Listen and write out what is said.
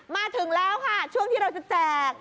มาถึงแล้วค่ะช่วงที่เราจะแจก